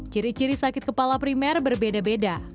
ciri ciri sakit kepala primer berbeda beda